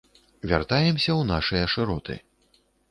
Вяртаемся ў нашыя шыроты.